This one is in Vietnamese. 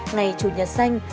ngày chủ nhật xanh